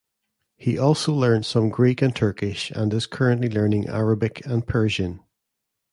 He also learned some Greek and Turkish and is currently learning Arabic and Persian.